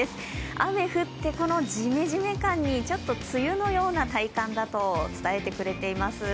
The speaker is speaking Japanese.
雨降って、このジメジメ感に梅雨のような体感だと伝えてくれてます。